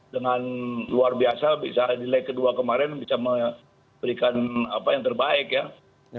dengan luar biasa bisa di lag kedua kemarin bisa memberikan apa yang terbaik ya